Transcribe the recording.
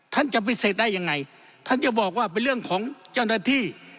ท่านจะพิเศษได้ยังไงท่านจะบอกว่าเป็นเรื่องของเจ้าหน้าที่